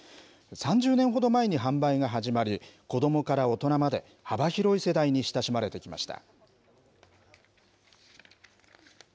３０年ほど前に販売が始まり、子どもから大人まで、幅広い世代に親しまれてきました。